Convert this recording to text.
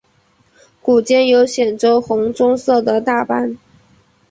股间有显着的红棕色的大斑。